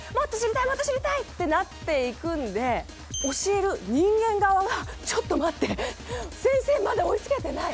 もっと知りたい！」ってなっていくんで教える人間側が「ちょっと待って先生まだ追いつけてない」。